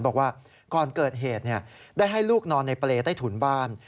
บอกว่าก่อนเกิดเหตุได้ให้ลูกนอนในเปรย์ใต้ถุนบ้าน